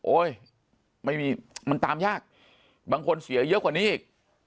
ไม่มีมันตามยากบางคนเสียเยอะกว่านี้อีก